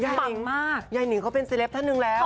ยายนิงเขาเป็นท่านหนึ่งแล้ว